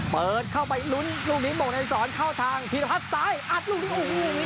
เปิดเข้าไปลุ้นลูกนี้หม่งในสอนเข้าทางพีรพัฒน์ซ้ายอัดลูกนี้โอ้โห